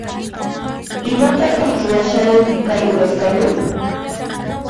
Imatataq ruwashankiri kay uraskama?